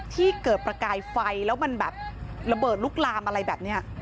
ที่เกิดประกายไฟแล้วมันแบบระเบิดลุกลามอะไรแบบนี้